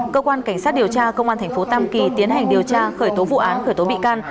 cơ quan cảnh sát điều tra công an thành phố tâm kỳ tiến hành điều tra khởi tố vụ án khởi tố bị can